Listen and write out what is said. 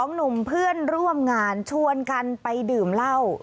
หนุ่มเพื่อนร่วมงานชวนกันไปดื่มเหล้า